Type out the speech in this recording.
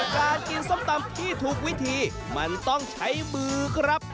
การกินส้มตำที่ถูกวิธีมันต้องใช้มือครับ